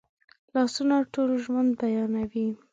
لاسونه ټول ژوند بیانوي